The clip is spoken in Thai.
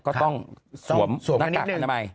ก็ต้องสวมหน้ากากอนามัย